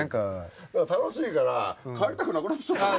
楽しいから帰りたくなくなってきちゃったよ